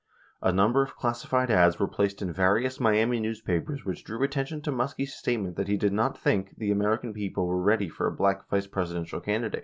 A number of classified ads were placed in various Miami newspapers which drew attention to Muskie's statement that he did not think the American people were ready for a black Vice Presidential candidate.